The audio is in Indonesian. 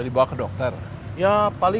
mau kak mau